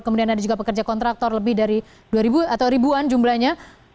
kemudian ada juga pekerja kontraktor lebih dari dua ribu atau ribuan jumlahnya